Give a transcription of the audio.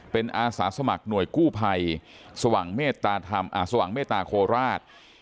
เป็นอาสาสมัครหน่วยกู้ภัยสว่างเมตตาโคราช